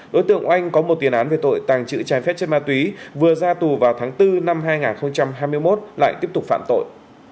đối tượng oanh có một tiền án về tội tàng trữ trái phép chất ma túy vừa ra tù vào tháng bốn năm hai nghìn hai mươi một lại tiếp tục phạm tội